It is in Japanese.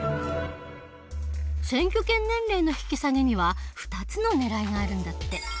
選挙権年齢の引き下げには２つのねらいがあるんだって。